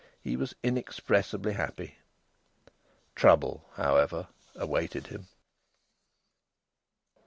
He was inexpressibly happy. Trouble, however, awaited him.